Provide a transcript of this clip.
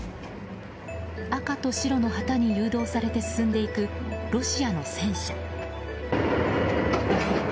赤と白の旗に誘導されて進んでいくロシアの戦車。